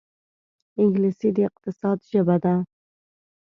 انګلیسي د اقتصاد ژبه ده